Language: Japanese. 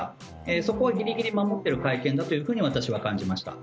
そこはぎりぎり守っている会見だと私は感じました。